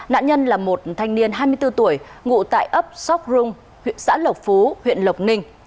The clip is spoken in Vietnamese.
nạn nhân là một thanh niên hai mươi bốn tuổi ngụ tại ấp sóc rung xã lộc phú huyện lộc ninh